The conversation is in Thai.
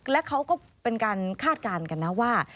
แล้วเขาก็เป็นการคาดการณ์กันนะว่า